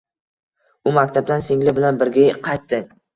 U maktabdan singli bilan birga qaytdi